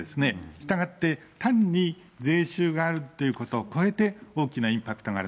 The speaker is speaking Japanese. したがって、単に税収があるっていうことを超えて、大きなインパクトがある。